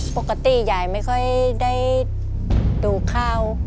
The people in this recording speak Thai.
ปกติยายไม่ค่อยได้ดูข้าว